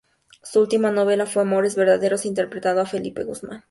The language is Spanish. Su última novela fue "Amores verdaderos" interpretando a Felipe Guzmán.